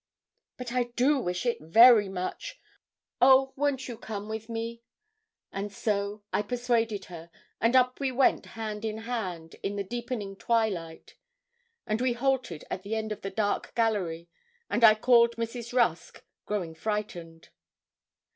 'But I do wish it very much. Oh! won't you come with me?' And so I persuaded her, and up we went hand in hand, in the deepening twilight; and we halted at the end of the dark gallery, and I called Mrs. Rusk, growing frightened.